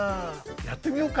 やってみようか！